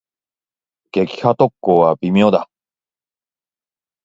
撃破特攻は微妙だ。